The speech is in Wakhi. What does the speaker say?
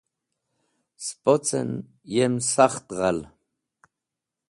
Spocen yem sakht ghal.